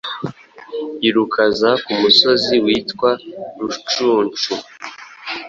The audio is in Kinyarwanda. i Rukaza ku musozi witwa Rucunshu